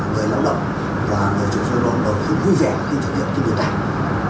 và mình là một trong số doanh nghiệp đối với tổ chức sức lao động và một trong số doanh nghiệp đối với thương hiệu kinh doanh